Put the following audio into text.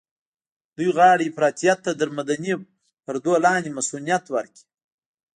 دوی غواړي افراطيت ته تر مدني پردو لاندې مصؤنيت ورکړي.